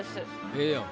ええやん。